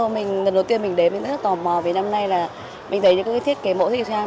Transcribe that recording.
lần đầu tiên mình đến mình rất là tò mò về năm nay là mình thấy những cái thiết kế mẫu thị trang